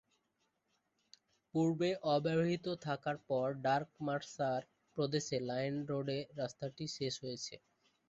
পূর্বে অব্যাহত থাকার পর ডার্ক-মার্সার প্রদেশে লাইন রোডে রাস্তাটি শেষ হয়েছে।